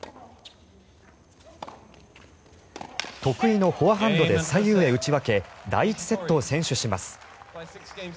得意のフォアハンドで左右へ打ち分け第１セットを先取します。